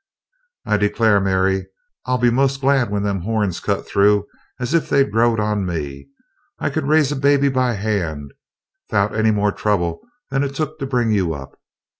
"I declare, Mary, I'll be most as glad when them horns cut through as if they growed on me! I could raise a baby by hand 'thout any more trouble than it's took to bring you up."